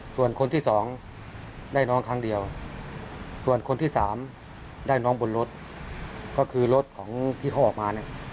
ส่วนคนที่สองได้น้องครั้งเดียวส่วนคนที่๓ได้น้องบนรถก็คือรถของที่เขาออกมาเนี่ย